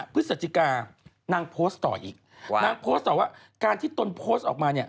พฤศจิกานางโพสต์ต่ออีกนางโพสต์ต่อว่าการที่ตนโพสต์ออกมาเนี่ย